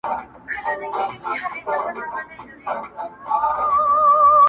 • تا څه کول جانانه چي راغلی وې وه کور ته.